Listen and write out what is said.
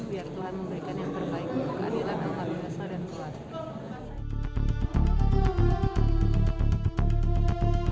biar tuhan memberikan yang terbaik untuk keadilan dan kemampuan kita tuhan